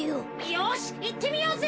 よしいってみようぜ！